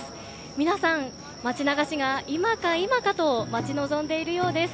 皆さん町流しが今か今かと待ち望んでいるようです。